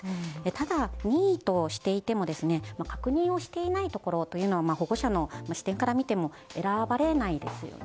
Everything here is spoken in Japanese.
ただ、任意としていても確認をしていないところは保護者の視点から見ても選ばれないですよね。